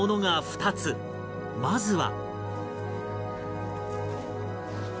まずは